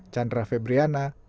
chandra febriana kabupaten